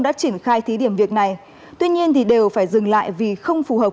đã triển khai thí điểm việc này tuy nhiên đều phải dừng lại vì không phù hợp